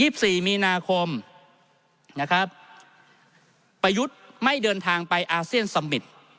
๒๔มิคุมภาพันธ์ประยุทธ์ไม่เดินทางไปอาเซียนสมมิตร